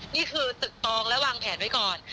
นี่คือตึกตองและวางแผนไว้ก่อน